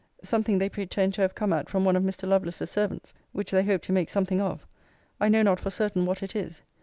Something they pretend to have come at from one of Mr. Lovelace's servants, which they hope to make something of. I know not for certain what it is.